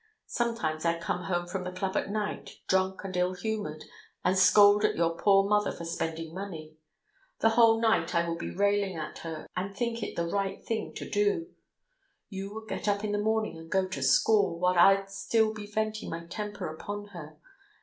Sometimes I'd come home from the club at night, drunk and ill humoured, and scold at your poor mother for spending money. The whole night I would be railing at her, and think it the right thing too; you would get up in the morning and go to school, while I'd still be venting my temper upon her.